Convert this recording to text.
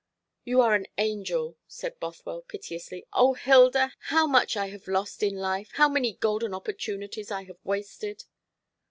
"You are an angel," said Bothwell piteously. "O Hilda, how much I have lost in life how many golden opportunities I have wasted!"